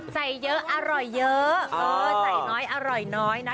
ใส่เยอะอร่อยเยอะ